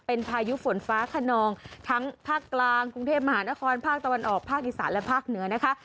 เป็นพายุฝนฟ้าขนองทั้งภาคกลางกรุงเทพมหานครภาคตะวันออกภาคอีสานและภาคเหนือนะคะ